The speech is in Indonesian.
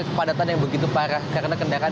kepadatan yang begitu parah karena kendaraan